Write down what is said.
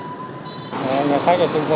đây là nhà khách ở trên xe